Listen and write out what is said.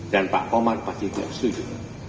dan pak komar pasti tidak setuju